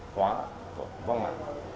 hóa văn hóa